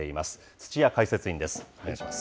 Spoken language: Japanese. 土屋解説委員です。